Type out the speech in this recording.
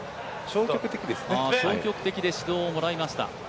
消極的で指導をもらいました。